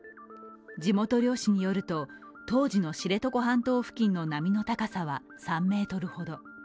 地元漁師によると、当時の知床半島沖の波の高さは３メートルほど。